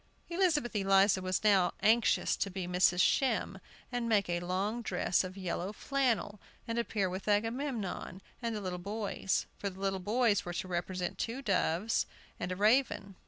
Elizabeth Eliza was now anxious to be Mrs. Shem, and make a long dress of yellow flannel, and appear with Agamemnon and the little boys. For the little boys were to represent two doves and a raven.